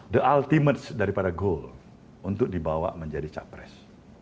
the ultimate dari pada goal untuk dibawa menjadi capres